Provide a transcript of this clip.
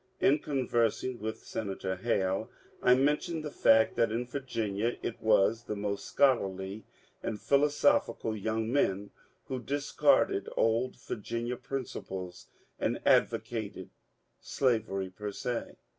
In conversing with Senator Hale I mentioned the fact that in Virginia it was the most scholarly and philosophical young men who discarded old Virginia principles and advocated slavery per se.